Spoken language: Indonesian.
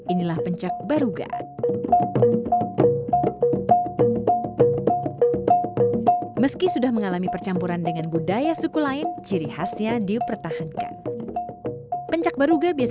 inilah pencak baruga